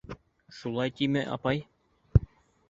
— Шулай тиме, апай?